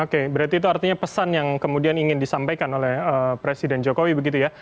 oke berarti itu artinya pesan yang kemudian ingin disampaikan oleh presiden jokowi begitu ya